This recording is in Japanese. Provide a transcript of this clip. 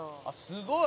「すごい！」